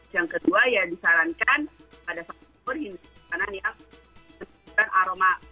yang kedua disarankan pada saat sahur hindari makanan yang mengandung aroma